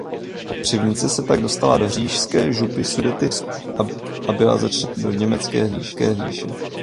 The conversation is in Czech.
Kopřivnice se tak dostala do Říšské župy Sudety a byla začleněna do Německé říše.